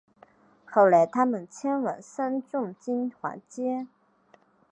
后来他们迁往三重金华街